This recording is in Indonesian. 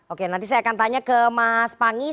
oke nanti saya akan tanya ke mas pangis